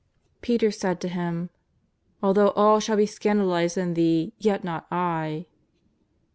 Peter said to Him: '^Although all shall be scan dalized in Thee, yet not I."